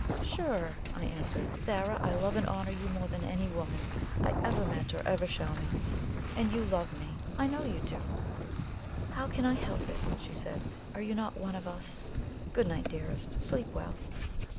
"Sure!" I answered. "Zara, I love and honour you more than any woman I ever met or ever shall meet. And you love me I know you do!" "How can I help it?" she said. "Are you not one of us? Good night, dearest! Sleep well!"